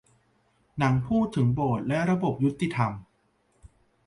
หนังพูดถึงโบสถ์และระบบยุติธรรม